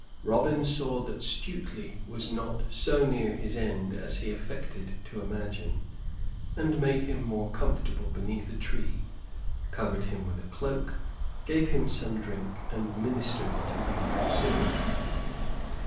Robin saw that Stuteley was not so near his end as he affected to imagine; and made him more comfortable beneath a tree, covered him with a cloak, gave him some drink, and ministered to him considerately.